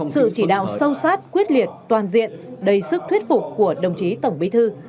sự chỉ đạo sâu sát quyết liệt toàn diện đầy sức thuyết phục của đồng chí tổng bí thư